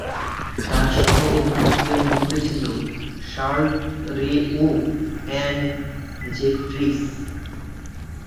তার সহ-অভিনেতাদের মধ্যে ছিলেন শার্লট রে ও অ্যান জেফ্রিস।